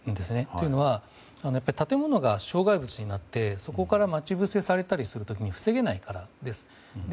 というのは、建物が障害物になってそこから待ち伏せされる時に防げないからです。